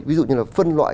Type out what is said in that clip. ví dụ như là phân loại